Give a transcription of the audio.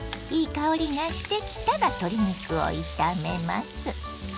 香りがしてきたら鶏肉を炒めます。